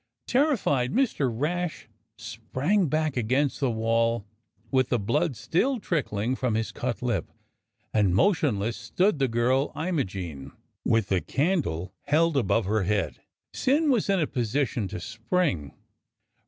Terrified, Mr. Rash sprang back against the wall, with the blood still trickling from his cut lip, and motionless stood the girl Imogene, with the candle held above her head. Syn was in position to spring.